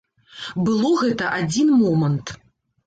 Было гэта адзін момант.